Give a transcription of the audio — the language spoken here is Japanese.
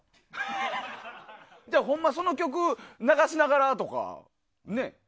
ほんま、その曲を流しながらとかね。